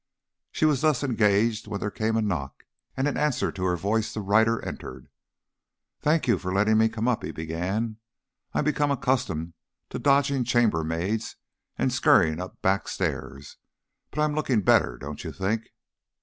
She was thus engaged when there came a knock, and in answer to her voice the writer entered. "Thank you for letting me come up," he began. "I'm becoming accustomed to dodging chambermaids and scurrying up back stairs. But I'm looking better, don't you think?"